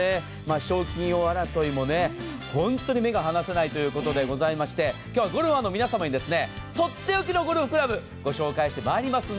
賞金王争いも本当に目が離せないということでございまして今日はゴルファーの皆さんに、とっておきのゴルフクラブをご紹介してまいります。